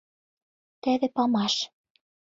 Теве памаш.